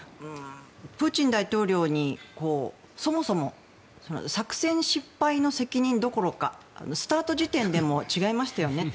プーチン大統領にそもそも作戦失敗の責任どころかスタート時点で違いましたよね。